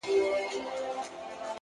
چي څه وکړم! لوټمارې ته ولاړه ده حيرانه!